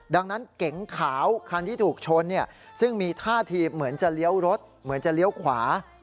ดังนั้นเก๋งขาวคันที่ถูกชนซึ่งมีท่าทีเหมือนจะเลี้ยวรถเหมือนจะเลี้ยวขวา